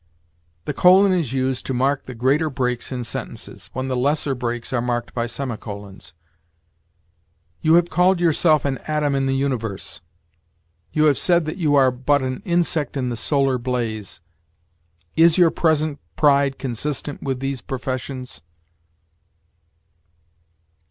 The colon is used to mark the greater breaks in sentences, when the lesser breaks are marked by semicolons. "You have called yourself an atom in the universe; you have said that you are but an insect in the solar blaze: is your present pride consistent with these professions?"